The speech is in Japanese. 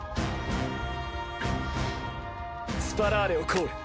スパラーレをコール。